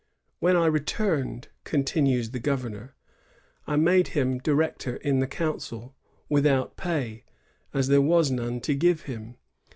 ^ When I returned, " continues the governor, ^*I made him director in the council, without pay, as there was none to give him.